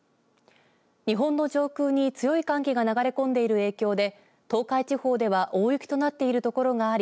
日本の上空に強い寒気が流れ込んでいる影響で東海地方では大雪となっている所があり